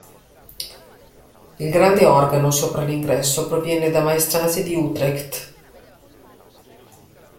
Il grande organo sopra l'ingresso proviene da maestranze di Utrecht.